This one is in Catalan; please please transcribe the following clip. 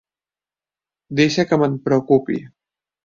Deixa que me'n preocupi.